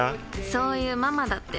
そういうママだって。